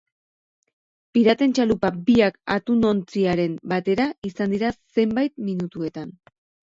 Piraten txalupa biak atunontziarekin batera izan dira zenbait minututan.